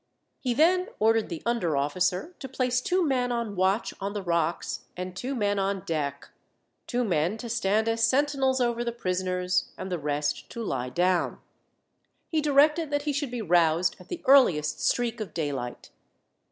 He then ordered the under officer to place two men on watch on the rocks, and two men on deck, two men to stand as sentinels over the prisoners, and the rest to lie down. He directed that he should be roused at the earliest streak of daylight.